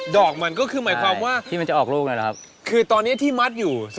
ดอกมันก็คือหมายความว่าคือตอนนี้ที่มัดอยู่ใช่ที่มันจะออกรูปหน่อยหรือครับ